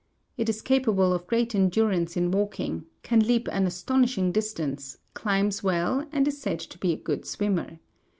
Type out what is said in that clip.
It is capable of great endurance in walking, can leap an astonishing distance, climbs well, and is said to be a good swimmer.